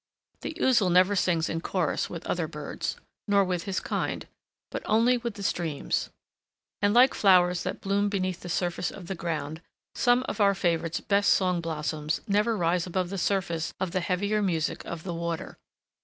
The Ouzel never sings in chorus with other birds, nor with his kind, but only with the streams. And like flowers that bloom beneath the surface of the ground, some of our favorite's best song blossoms never rise above the surface of the heavier music of the water.